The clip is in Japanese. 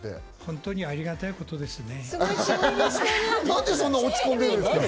ありがたいことですね。